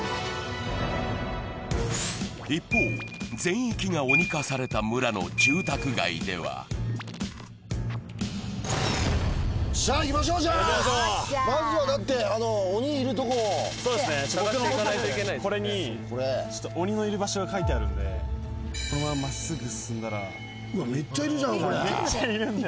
一方、全域が鬼化された村の住宅街ではさあいきましょう、まずはだって、鬼いるところこれに鬼のいる場所が書いてあるので、このまま真っ直ぐ進んだら、めっちゃいるので。